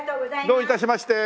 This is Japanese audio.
どういたしまして！